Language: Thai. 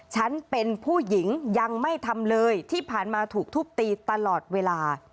ฉันเป็นผู้หญิงยังไม่ทำเลยที่ผ่านมาถูกทุบตีตลอดเวลา